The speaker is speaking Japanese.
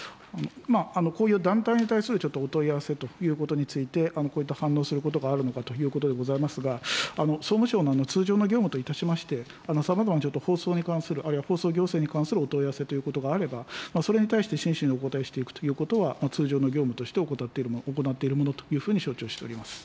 こういう団体に対するちょっとお問い合わせということについて、こういった反応することがあるのかということでございますが、総務省の通常の業務といたしまして、さまざま、ちょっと放送に関するあるいは放送行政に関するお問い合わせということがあれば、それに対して真摯にお答えしていくということは、通常の業務として行っているものというふうに承知をしております。